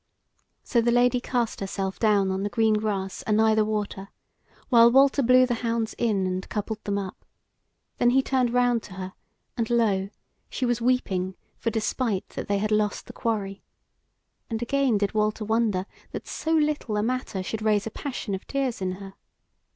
So the Lady cast herself down on the green grass anigh the water, while Walter blew the hounds in and coupled them up; then he turned round to her, and lo! she was weeping for despite that they had lost the quarry; and again did Walter wonder that so little a matter should raise a passion of tears in her.